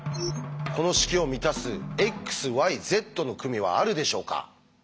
この式を満たす「ｘｙｚの組」はあるでしょうか？